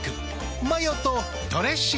マヨとドレッシングで。